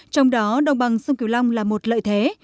trong đó đồng bằng sông cửu long là một lợi thế